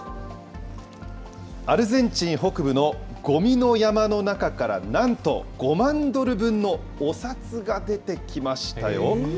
アルゼンチン北部のごみの山の中から、なんと５万ドル分のお札が出てきましたよ。